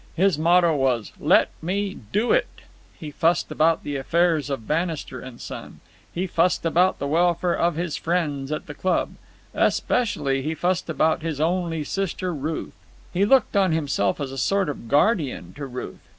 His motto was "Let me do it!" He fussed about the affairs of Bannister & Son; he fussed about the welfare of his friends at the club; especially, he fussed about his only sister Ruth. He looked on himself as a sort of guardian to Ruth.